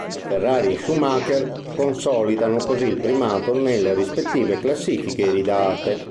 La Ferrari e Schumacher consolidano così il primato nelle rispettive classifiche iridate.